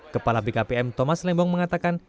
kepala bkpm thomas lembong mengatakan